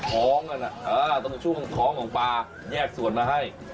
ท้องกันตรงช่วงท้องของปลาแยกส่วนมาให้